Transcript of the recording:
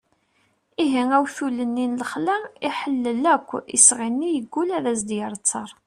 ihi awtul-nni n lexla iḥellel akk isɣi-nni yeggul ad as-d-yerr ttar